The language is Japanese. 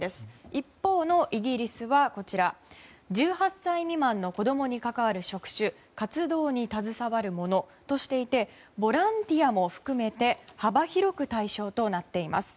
一方のイギリスは１８歳未満の子供に関わる職種活動に携わる者としていてボランティアも含めて幅広く対象となっています。